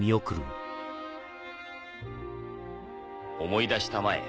思い出したまえ